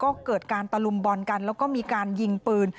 ก็เกิดการตะลุมบอลกันแล้วก็มีการยิงปืน